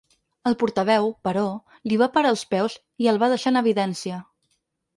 El portaveu, però, li va parar els peus i el va deixar en evidència.